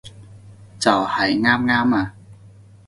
就喺啱啱啊